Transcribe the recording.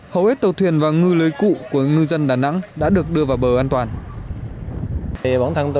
hầu hết tàu thuyền và ngư lưới cụ của ngư dân đà nẵng đã được đưa vào bờ an toàn